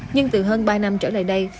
nhưng từ hơn ba năm trở lại đây